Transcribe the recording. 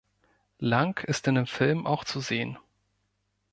Lang ist in dem Film auch zu sehen.